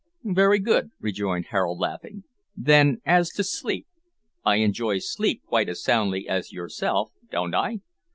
"Very good," rejoined Harold, laughing; "then as to sleep, I enjoy sleep quite as soundly as yourself; don't I?"